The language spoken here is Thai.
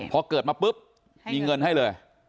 พอเกิดมาปุ๊บมีเงินให้เลย